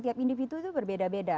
tiap individu itu berbeda beda